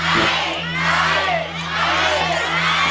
ใช้